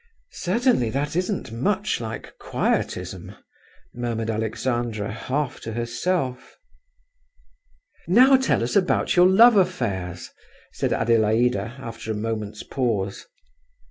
"Certainly that isn't much like quietism," murmured Alexandra, half to herself. "Now tell us about your love affairs," said Adelaida, after a moment's pause.